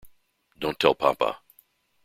Don’t tell papa.